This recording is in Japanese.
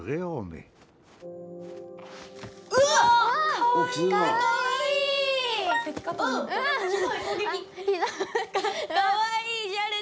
かわいい。